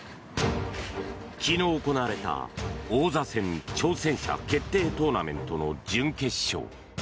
昨日行われた王座戦挑戦者決定トーナメントの準決勝。